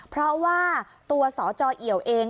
เพราะว่าตัวสจเอี่ยวเอง